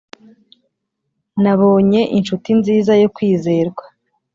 nabonye inshuti nziza yo kwizerwa